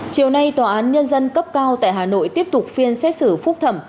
chiều nay tòa án nhân dân cấp cao tại hà nội tiếp tục phiên xét xử phúc thẩm